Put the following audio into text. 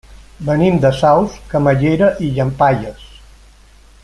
Venim de Saus, Camallera i Llampaies.